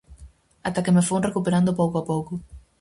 Ata que me fun recuperando pouco a pouco.